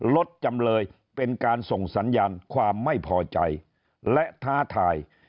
ลดจำเลยเป็นการส่งสัญญาณความไม่พอใจและท้าทาย